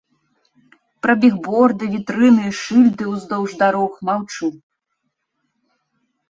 Пра бігборды, вітрыны і шыльды ўздоўж дарог маўчу.